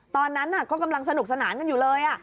ตอนนั้นก็กำลังสนุกสนานกันอยู่เลย